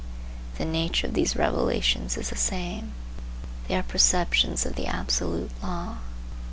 The nature of these revelations is the same; they are perceptions of the absolute law.